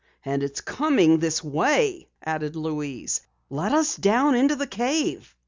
"And it's coming this way," added Louise. "Let us down into the cave!"